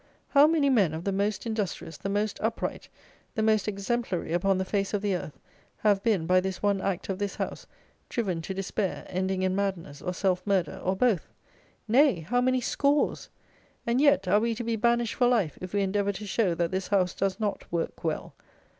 How many men, of the most industrious, the most upright, the most exemplary, upon the face of the earth, have been, by this one Act of this House, driven to despair, ending in madness or self murder, or both! Nay, how many scores! And, yet, are we to be banished for life, if we endeavour to show, that this House does not "work well?"